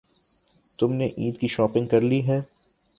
تم نے عید کی شاپنگ کر لی ہے؟